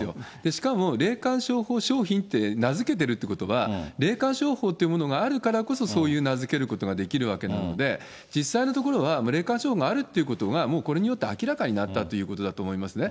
しかも、霊感商法商品って名付けてるということは、霊感商法というものがあるからこそ、そういう名付けることができるわけなので、実際のところは、霊感商法があるってことが、もうこれによって明らかになったということだと思いますね。